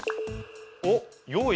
おっ用意